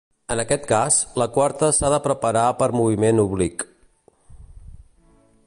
En aquest cas, la quarta s'ha de preparar per moviment oblic.